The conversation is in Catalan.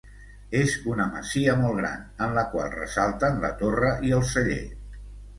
És una masia molt gran, en la qual ressalten la torre i el celler.